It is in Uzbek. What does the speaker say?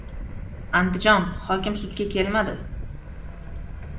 Andijon. Hokim sudga kelmadi